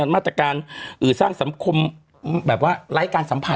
มาตรการสร้างสังคมแบบว่าไร้การสัมผัส